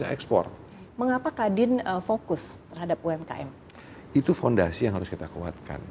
tapi yang gugur gugur bagi kita karena poderkan memerlukan semua uang di absorbs mak missile